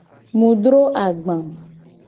Mu dro agba.